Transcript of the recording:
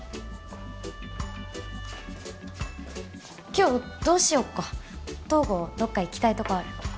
今日どうしよっか東郷どっか行きたいとこある？